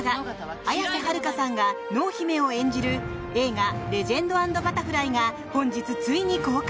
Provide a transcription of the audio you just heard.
綾瀬はるかさんが濃姫を演じる映画「レジェンド＆バタフライ」が本日、ついに公開。